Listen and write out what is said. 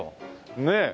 ねえ。